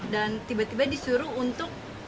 dan tiba tiba disuruh untuk